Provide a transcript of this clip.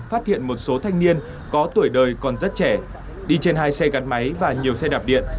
phát hiện một số thanh niên có tuổi đời còn rất trẻ đi trên hai xe gạt máy và nhiều xe đạp điện